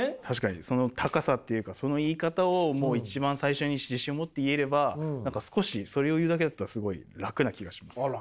確かにその高さっていうかその言い方をもう一番最初に自信持って言えれば何か少しそれを言うだけだったらすごい楽な気がします。